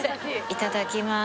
いただきます